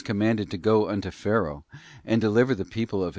197 commanded to go unto Pharao, and deliver the people of cup.